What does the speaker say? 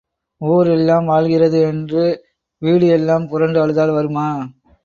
ஊர் எல்லாம் வாழ்கிறது என்று வீடு எல்லாம் புரண்டு அழுதால் வருமா?